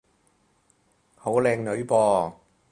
好靚女噃